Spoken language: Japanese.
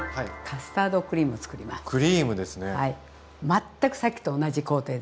全くさっきと同じ工程です。